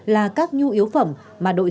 là các nhu yếu phẩm mà đội